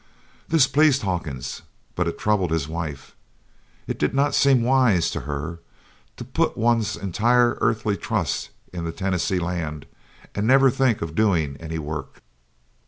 This pleased Hawkins, but it troubled his wife. It did not seem wise, to her, to put one's entire earthly trust in the Tennessee Land and never think of doing any work.